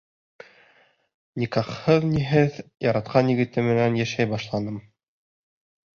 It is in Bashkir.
Никахһыҙ-ниһеҙ яратҡан егетем менән йәшәй башланым.